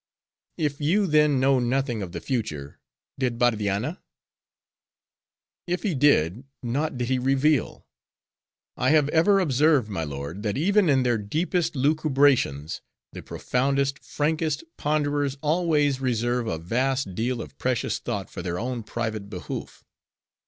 "If you, then, know nothing of the future—did Bardianna?" "If he did, naught did he reveal. I have ever observed, my lord, that even in their deepest lucubrations, the profoundest, frankest, ponderers always reserve a vast deal of precious thought for their own private behoof.